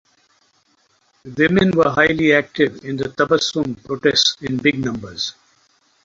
Women were highly active in the Tabassum protests in big numbers.